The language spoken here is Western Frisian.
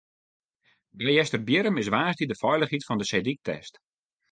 By Easterbierrum is woansdei de feilichheid fan de seedyk test.